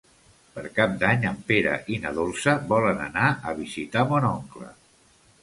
Per Cap d'Any en Pere i na Dolça volen anar a visitar mon oncle.